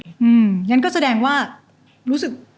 อย่างนั้นก็แสดงว่ารู้สึก